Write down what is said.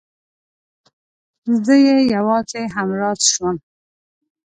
زه يې يوازې همراز شوم.